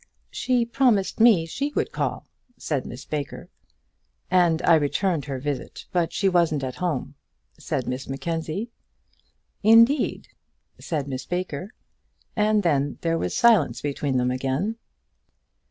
"She promised me she would call," said Miss Baker. "And I returned her visit, but she wasn't at home," said Miss Mackenzie. "Indeed," said Miss Baker; and then there was silence between them again.